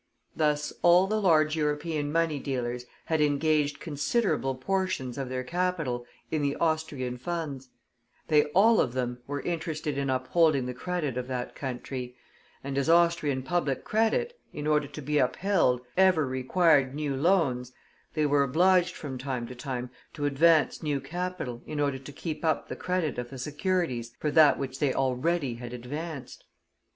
Thus all the large European money dealers had engaged considerable portions of their capital in the Austrian funds; they all of them were interested in upholding the credit of that country, and as Austrian public credit, in order to be upheld, ever required new loans, they were obliged from time to time to advance new capital in order to keep up the credit of the securities for that which they already had advanced.